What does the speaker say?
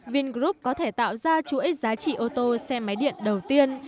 vingroup có thể tạo ra chuỗi giá trị ô tô xe máy điện đầu tiên